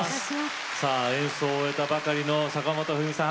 さあ演奏を終えたばかりの坂本冬美さん